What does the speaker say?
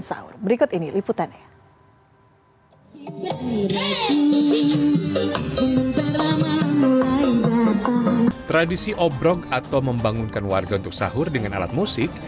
sahur berikut ini liputannya tradisi obrok atau membangunkan warga untuk sahur dengan alat musik